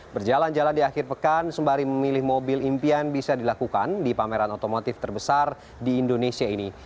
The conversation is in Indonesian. berjalan jalan di akhir pekan sembari memilih mobil impian bisa dilakukan di pameran otomotif terbesar di indonesia ini